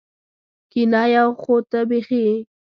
کېنه یو خو ته بېخي.